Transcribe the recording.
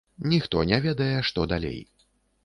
Ніхто не ведае, што далей.